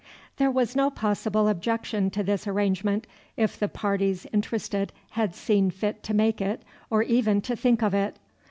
There was no possible objection to this arrangement, if the parties interested had seen fit to make it or even to think of it.